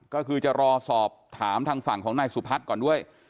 ก็คือจะรอสอบถามทางฝั่งของนายสุพัฒน์ก่อนด้วย